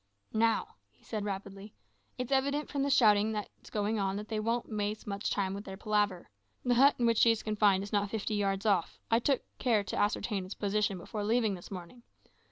"Now," said he rapidly, "it's evident from the shouting that's going on that they won't waste much time with their palaver. The hut in which she is confined is not fifty yards off; I took care to ascertain its position before leaving this morning.